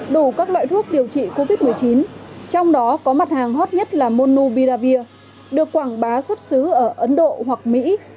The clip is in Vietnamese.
đủ các loại thuốc điều trị covid một mươi chín trong đó có mặt hàng hot nhất là monu biravir được quảng bá xuất xứ ở ấn độ hoặc mỹ